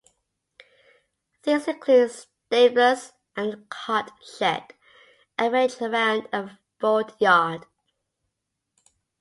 These include stabls and a cart shed arranged around a fold yard.